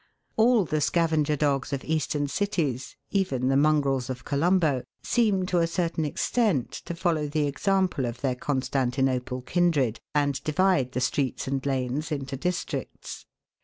All the scavenger dogs of Eastern cities, even the mongrels of Colombo, seem to a certain extent to follow the example of their Constantinople kindred, and divide the streets and lanes into districts.